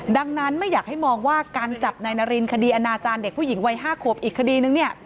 ดังนั้นไม่อยากให้มองว่าการจับนายนารินคดีอนาจารย์เด็กผู้หญิงวัย๕ขวบอีกคดีนึงเนี่ย